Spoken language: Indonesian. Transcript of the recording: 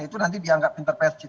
itu nanti dianggap interpersi